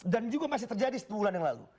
dan juga masih terjadi setahun yang lalu